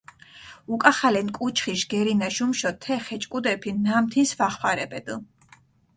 უკახალენ კუჩხიშ გერინაშ უმშო თე ხეჭკუდეფი ნამთინს ვახვარებედჷ.